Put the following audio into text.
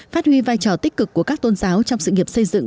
phát huy vai trò tích cực của các tôn giáo trong sự nghiệp xây dựng